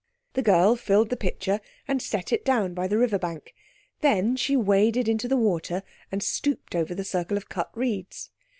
The girl filled the pitcher and set it down by the river bank. Then she waded into the water and stooped over the circle of cut reeds.